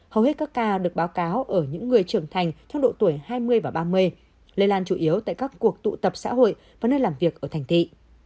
hầu hết các ca được báo cáo ở những người trưởng thành trong độ tuổi hai mươi và ba mươi lây lan chủ yếu tại các cuộc tụ tập xã hội và nơi làm việc ở thành thị